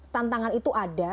tantangan itu ada